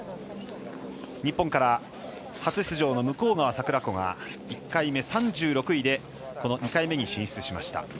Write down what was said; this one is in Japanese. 日本から、初出場の向川桜子が１回目、３６位でこの２回目に進出しました。